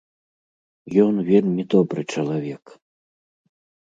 Ён вельмі добры чалавек.